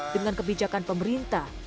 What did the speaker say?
dengan kebijakan pemerintah